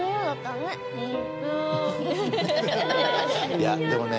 いやでもね